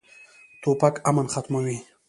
توپک امن ختموي.